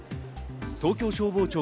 東京消防庁